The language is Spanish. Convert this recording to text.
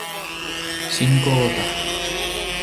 cinco gotas